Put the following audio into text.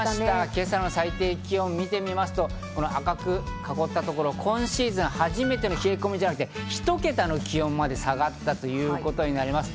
今朝の最低気温を見てみますと、赤く囲ったところ、今シーズン初めての冷え込み、じゃなくて１桁の気温まで下がったということになります。